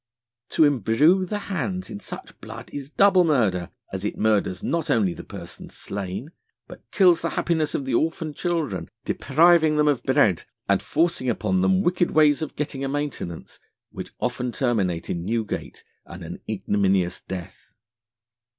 To embrew the hands in such blood is double Murder, as it murders not only the Person slain, but kills the Happiness of the orphaned Children, depriving them of Bread, and forcing them upon wicked Ways of getting a Maintenance, which often terminate in Newgate and an ignominious death.